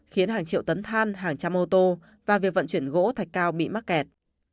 khiến hàng triệu tấn than hàng trăm ô tô và việc vận chuyển gỗ thạch cao bị mắc kẹt